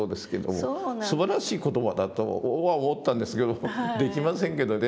すばらしい言葉だとは思ったんですけどできませんけどね